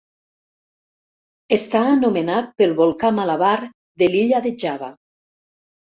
Està anomenat pel volcà Malabar de l'illa de Java.